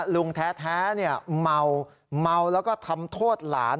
ลุงแท้เมาเมาแล้วก็ทำโทษหลาน